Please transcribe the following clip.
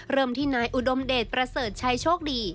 เริ่มที่นายอุดมเดชประเสริฐชัยโชคดี